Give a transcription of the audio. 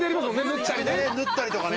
縫ったりとかね。